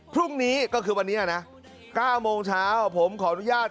พรุ่งนี้ก็คือวันนี้นะ๙โมงเช้าผมขออนุญาต